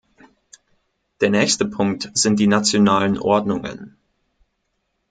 Der nächste Punkt sind die nationalen Ordnungen.